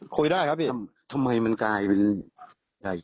เพราะว่าทุกคนทำอย่างนี้นะครับในการห้ามในการทุกอย่างครับ